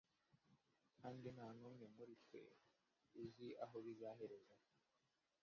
kandi nta n’umwe muri twe uzi aho bizahereza